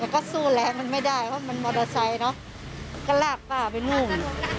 ก็ลากป้าไปมุ่ง